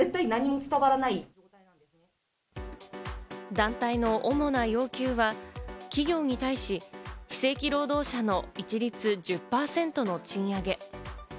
団体の主な要求は企業に対し、非正規労働者の一律１０％の賃上げ。